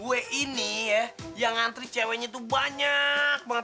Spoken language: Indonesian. gue ini ya yang ngantri ceweknya tuh banyak banget